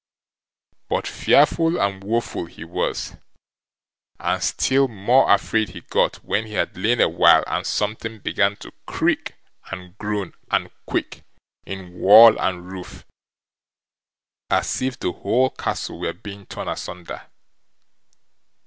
But fearful and woeful he was, and still more afraid he got when he had lain a while and something began to creak and groan and quake in wall and roof, as if the whole castle were being torn asunder.